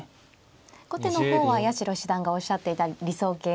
後手の方は八代七段がおっしゃっていた理想形に。